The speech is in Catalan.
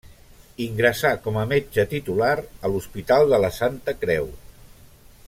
Ingressà com a metge titular a l'Hospital de la Santa Creu.